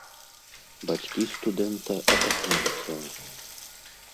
Бацькі студэнта апазналі цела.